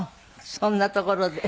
そんなところで。